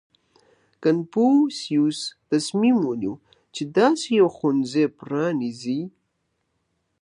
• کنفوسیوس تصمیم ونیو، چې داسې یو ښوونځی پرانېزي.